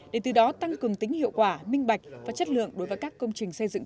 để từ đó tăng cường tính hiệu quả minh bạch và chất lượng đối với các công trình xây dựng